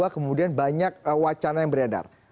kemudian banyak wacana yang beredar